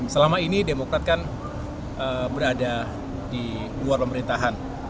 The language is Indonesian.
selama ini demokrat kan berada di luar pemerintahan